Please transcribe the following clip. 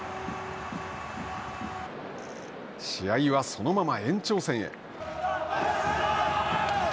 試合は、そのまま延長戦へ。